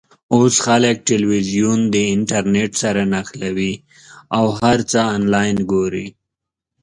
اوس خلک ټلویزیون د انټرنېټ سره نښلوي او هر څه آنلاین ګوري.